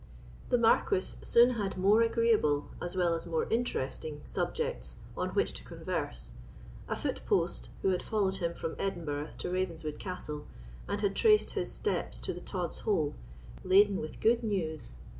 The Marquis soon had more agreeable, as well as more interesting, subjects on which to converse. A foot post, who had followed him from Edinburgh to Ravenswood Castle, and had traced his steps to the Tod's Hole, brought him a packet laden with good news.